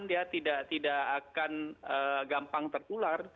karena pasien tidak akan gampang tertular